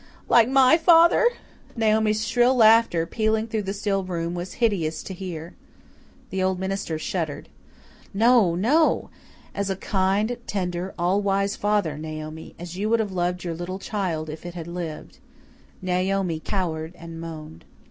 "Like MY father?" Naomi's shrill laughter, pealing through the still room, was hideous to hear. The old minister shuddered. "No no! As a kind, tender, all wise father, Naomi as you would have loved your little child if it had lived." Naomi cowered and moaned.